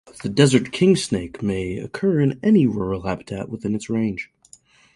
The desert kingsnake may occur in any rural habitat within its range.